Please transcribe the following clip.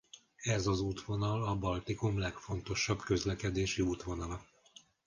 Ez az útvonal a Baltikum legfontosabb közlekedési útvonala.